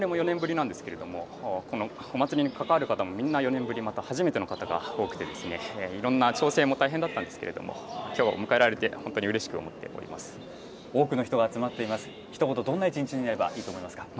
われわれも４年ぶりなんですけれども、このお祭りに関わる方もみんな４年ぶり、また初めての方が多くて、いろんな調整も大変だったんですけれども、きょうを迎えられて、本当にうれしく思っ多くの人が集まっています。